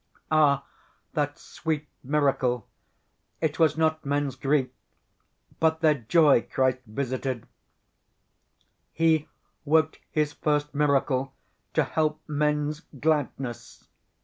Ah, that sweet miracle! It was not men's grief, but their joy Christ visited, He worked His first miracle to help men's gladness....